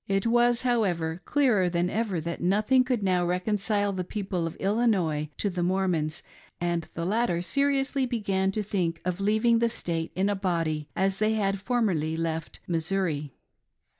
It was, however, clearer than ever that nothing could now reconcile the people of Illinois to the Mormons, and the latter seriously began to think of leaving that State in a body as they had formerly left Missouri.